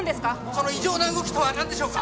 その異常な動きとは何でしょうか！？